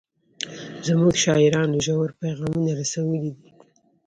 زموږ شاعرانو ژور پیغامونه رسولي دي.